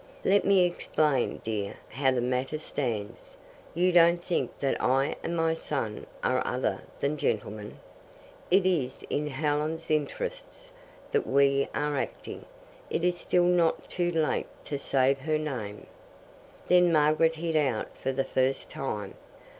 "Let me explain, dear, how the matter stands. You don't think that I and my son are other than gentlemen? It is in Helen's interests that we are acting. It is still not too late to save her name." Then Margaret hit out for the first time.